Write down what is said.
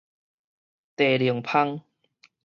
地龍蜂